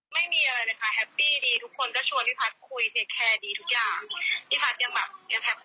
เขาก็เลยได้มาเจอกันนี้แหละครับ